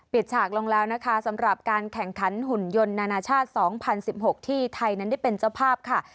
ฉากลงแล้วนะคะสำหรับการแข่งขันหุ่นยนต์นานาชาติ๒๐๑๖ที่ไทยนั้นได้เป็นเจ้าภาพค่ะ